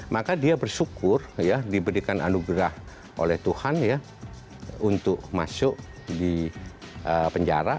maka dia bersyukur ya diberikan anugerah oleh tuhan ya untuk masuk di penjara